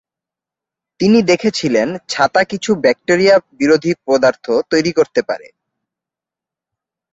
তিনি দেখেছিলেন ছাতা কিছু ব্যাক্টেরিয়া বিরোধী পদার্থ তৈরি করতে পারে।